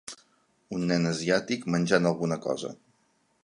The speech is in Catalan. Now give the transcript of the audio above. Un nen asiàtic menjant alguna cosa.